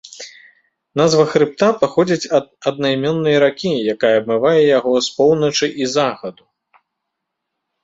Назва хрыбта паходзіць ад аднайменнай ракі, якая абмывае яго з поўначы і захаду.